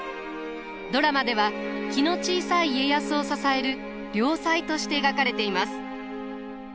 ドラマでは気の小さい家康を支える良妻として描かれています。